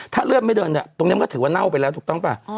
ถ้าเลือดไม่เดินเนี่ยตรงนี้มันก็ถือว่าเน่าไปแล้วถูกต้องป่ะ